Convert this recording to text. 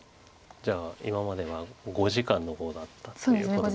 じゃあ今までは５時間の碁だったっていうことですよね。